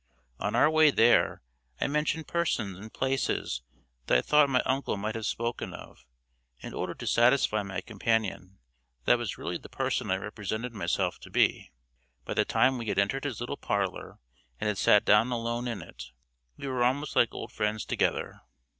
On our way there, I mentioned persons and places that I thought my uncle might have spoken of, in order to satisfy my companion that I was really the person I represented myself to be. By the time we had entered his little parlor, and had sat down alone in it, we were almost like old friends together.